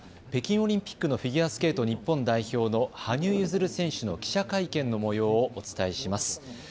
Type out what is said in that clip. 北京オリンピックのフィギュアスケート日本代表の羽生結弦選手の記者会見のもようをお伝えします。